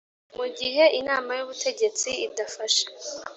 Mu gihe Inama y Ubutegetsi idafashe